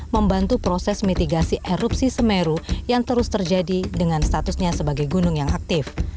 membantu proses mitigasi erupsi semeru yang terus terjadi dengan statusnya sebagai gunung yang aktif